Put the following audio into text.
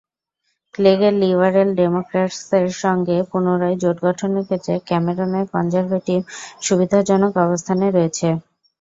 ক্লেগের liberal ডেমোক্র্যাটসের সঙ্গে পুনরায় জোট গঠনের ক্ষেত্রে ক্যামেরনের কনজারভেটিভ সুবিধাজনক অবস্থানে রয়েছে।